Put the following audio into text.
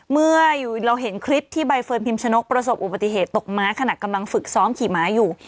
เมื่อเราเห็นคลิปที่ใบเฟิร์นพิมชนกประสบอุบัติเหตุตกม้าขณะกำลังฝึกซ้อมขี่ม้าอยู่